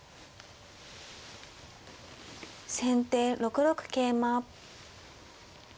先手６六桂馬。